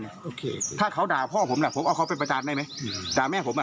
โอเคถ้าเขาด่าพ่อผมล่ะผมเอาเขาเป็นประธานได้ไหมด่าแม่ผมอ่ะ